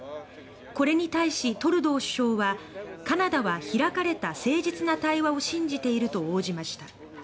これに対しトルドー首相は「カナダは開かれた誠実な対話を信じている」と応じました。